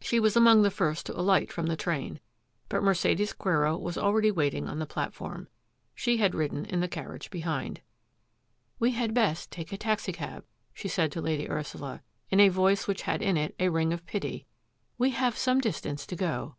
She was among the first to alight from the train, but Mercedes Quero was already waiting on the platform. She had ridden in the carriage behind. " We had best take a taxicab,'' she said to Lady Ursula, in a voice which had in it a ring of pity, " we have some distance to go."